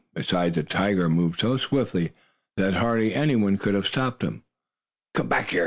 Besides, the tiger moved so swiftly, that hardly any one could have stopped him. "Come back here!